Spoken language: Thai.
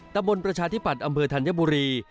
ตะบนประชาธิปัตย์อำเภอธัญบุรี